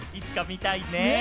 いつか見たいね。